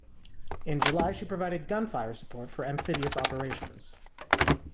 In July she provided gunfire support for amphibious operations.